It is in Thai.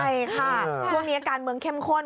ใช่ค่ะช่วงนี้การเมืองเข้มข้น